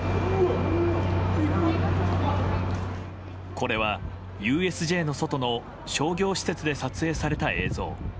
これはＵＳＪの外の商業施設で撮影された映像。